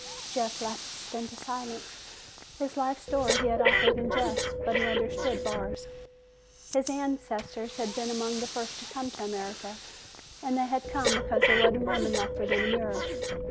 Jeff lapsed into silence. His life story he had offered in jest, but he understood Barr's. His ancestors had been among the first to come to America, and they had come because there wasn't room enough for them in Europe.